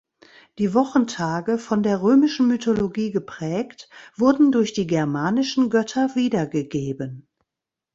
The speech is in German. Die Wochentage, von der römischen Mythologie geprägt, wurden durch die germanischen Götter wiedergegeben.